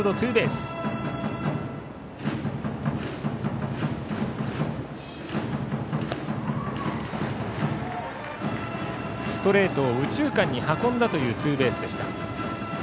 ストレートを右中間に運んだというツーベースでした。